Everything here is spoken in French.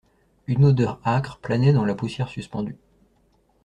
Une odeur âcre planait dans la poussière suspendue.